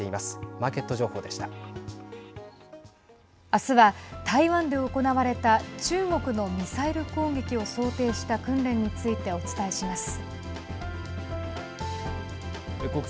あすは、台湾で行われた中国のミサイル攻撃を想定した訓練についてお伝えします。